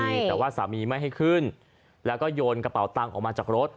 แต่ว่าสามีไม่ให้ขึ้นแล้วก็โยนกระเป๋าตังค์ออกมาจากรถ